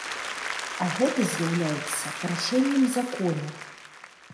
А гэта з'яўляецца парушэннем закона.